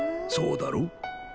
そうだろ？